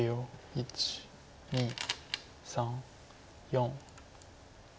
１２３４。